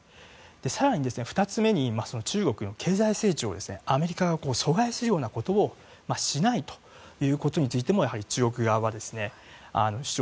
更に、２つ目に中国の経済成長をアメリカが阻害するようなことをしないということについてもやはり中国側は主張